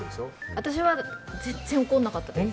私は全然怒らなかったです